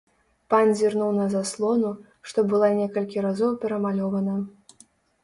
Пан зірнуў на заслону, што была некалькі разоў перамалёвана.